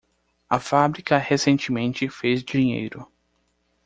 A fábrica recentemente fez dinheiro